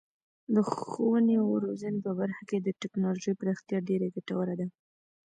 د ښوونې او روزنې په برخه کې د تکنالوژۍ پراختیا ډیره ګټوره ده.